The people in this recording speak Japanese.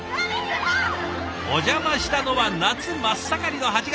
お邪魔したのは夏真っ盛りの８月。